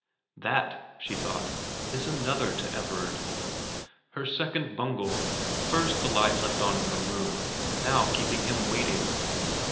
' That,' she thought, * is another to Everard,' her second bungle ; first the light left on in her room, now keeping him waiting.